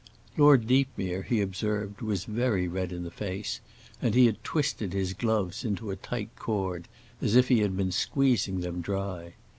Lord Deepmere, he observed, was very red in the face, and he had twisted his gloves into a tight cord as if he had been squeezing them dry.